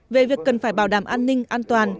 về việc cần phải bảo đảm an ninh an toàn